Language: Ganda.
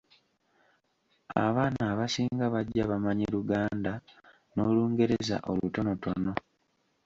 Abaana abasinga bajja bamanyi Luganda n’Olungereza olutonotono.